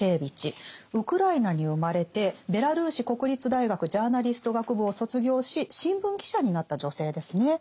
ウクライナに生まれてベラルーシ国立大学ジャーナリスト学部を卒業し新聞記者になった女性ですね。